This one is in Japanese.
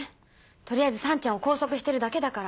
取りあえずさんちゃんを拘束してるだけだから。